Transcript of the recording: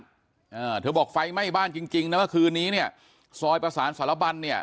อ่าเธอบอกไฟไหม้บ้านจริงจริงนะเมื่อคืนนี้เนี่ยซอยประสานสารบันเนี่ย